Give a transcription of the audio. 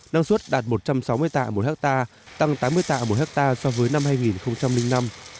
năng suất đạt một trăm sáu mươi tạ một hectare tăng tám mươi tạ một hectare so với năm hai nghìn năm